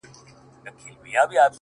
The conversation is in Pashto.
o لكه اوبه چي دېوال ووهي ويده سمه زه ـ